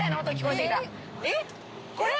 えっこれ？